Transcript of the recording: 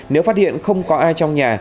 nếu phát hiện không có ai trong nhà